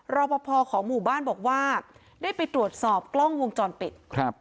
รอปภของหมู่บ้านบอกว่าได้ไปตรวจสอบกล้องวงจรปิดครับ